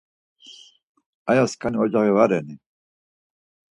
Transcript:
Aya skani ocaği va reni?